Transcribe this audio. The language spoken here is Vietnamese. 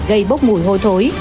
gây bốc mùi hôi thối